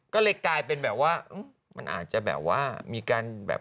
ก็เลยกลายเป็นแบบว่ามันอาจจะแบบว่ามีการแบบ